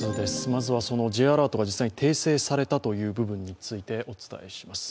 まずはＪアラートが実際、訂正されたという部分についてお伝えします。